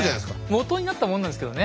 もとになったものなんですけどね。